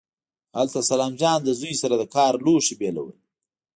هلته سلام جان له زوی سره د کار لوښي بېلول.